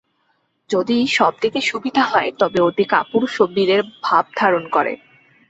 যদি সব দিকে সুবিধা হয়, তবে অতি কাপুরুষও বীরের ভাব ধারণ করে।